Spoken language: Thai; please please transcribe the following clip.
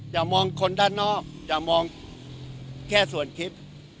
อย่ามองคนด้านนอกอย่ามองแค่ส่วนคลิป